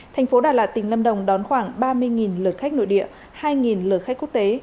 thành phố đà lạt tỉnh lâm đồng đón khoảng ba mươi lượt khách nội địa hai lượt khách quốc tế